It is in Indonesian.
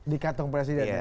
di kantong presiden ya